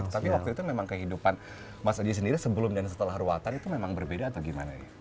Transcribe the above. tapi waktu itu memang kehidupan mas aji sendiri sebelum dan setelah ruatan itu memang berbeda atau gimana